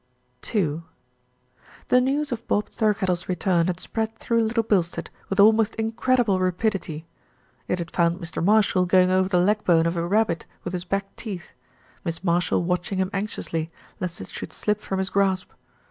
II The news of Bob Thirkettle's return had spread through Little Bilstead with almost incredible rapidity. It had found Mr. Marshall going over the leg bone of a rabbit with his back teeth, Miss Marshall watch ing him anxiously, lest it should slip from his grasp.